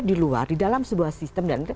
di luar di dalam sebuah sistem dan